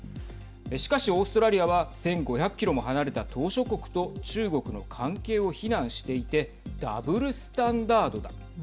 しかし、オーストラリアは１５００キロも離れた島しょ国と中国の関係を非難していてダブルスタンダードだ。